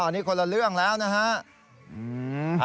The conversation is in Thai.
นี่คนละเรื่องแล้วนะฮะ